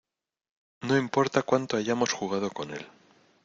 No importa cuánto hayamos jugado con él.